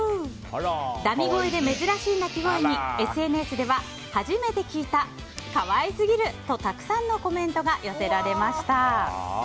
ダミ声で珍しい鳴き声にＳＮＳでは初めて聞いた可愛すぎる！とたくさんのコメントが寄せられました。